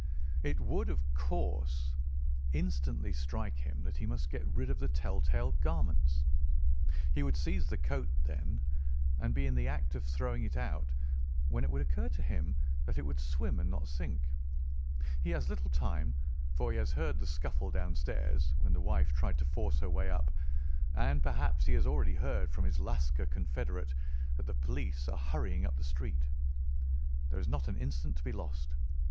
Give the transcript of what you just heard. It would of course instantly strike him that he must get rid of the tell tale garments. He would seize the coat, then, and be in the act of throwing it out, when it would occur to him that it would swim and not sink. He has little time, for he has heard the scuffle downstairs when the wife tried to force her way up, and perhaps he has already heard from his Lascar confederate that the police are hurrying up the street. There is not an instant to be lost.